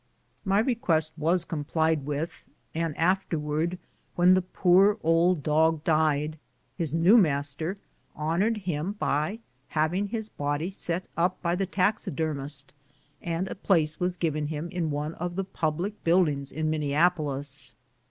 My request was complied with, and afterwards, when the poor old dog died, his new master honored him by having his body set up by the taxidermist, and a place was given him in one of the public buildings in Minneapolis.